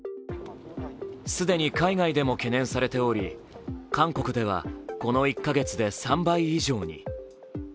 既に海外でも懸念されており、韓国ではこの１か月で３倍以上に。